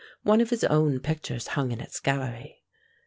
One of his own pictures hung in its gallery.